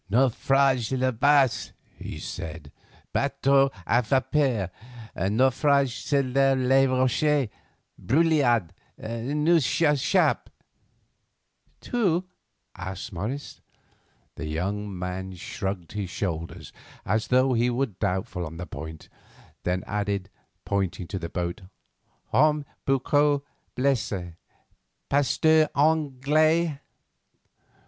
"Naufragé la bas," he said; "bateau à vapeur, naufragé sur les rochers—brouillard. Nous échappé." "Tous?" asked Morris. The young man shrugged his shoulders as though he were doubtful on the point, then added, pointing to the boat: "Homme beaucoup blessé, pasteur anglais."